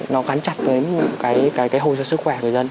nó gắn chặt với một cái hồ sơ sức khỏe của dân